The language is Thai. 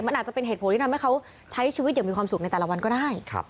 มันอาจจะเป็นเหตุผลที่ทำให้เขาใช้ชีวิตอย่างมีความสุขในแต่ละวันก็ได้